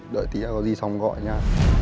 đợi tí nào có gì xong gọi nhá